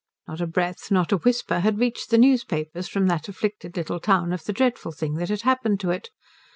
Not a breath, not a whisper, had reached the newspapers from that afflicted little town of the dreadful thing that had happened to it.